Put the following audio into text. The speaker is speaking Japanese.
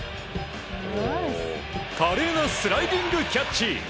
華麗なスライディングキャッチ！